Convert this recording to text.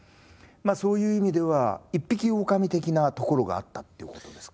そういう意味では一匹狼的なところがあったっていうことですか？